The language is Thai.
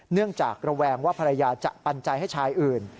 เนื่องจากระแวงว่าภรรยาจะปัญญาให้ชายอื่น